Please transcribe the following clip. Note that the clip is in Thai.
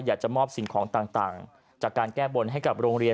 อยากจะมอบสิ่งของต่างจากการแก้บนให้กับโรงเรียน